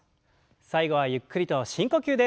最後はゆっくりと深呼吸です。